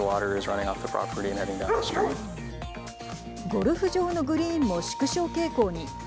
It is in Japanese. ゴルフ場のグリーンも縮小傾向に。